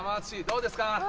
どうですか？